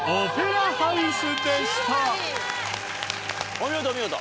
お見事お見事。